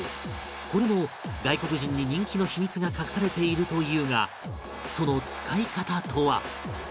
これも外国人に人気の秘密が隠されているというがその使い方とは？